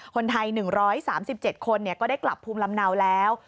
คนไทย๑๓๗คนก็ได้กลับภูมิลำเนาแล้ว